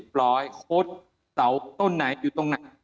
โค้ดเตาต้นไหนอยู่ตรงไหน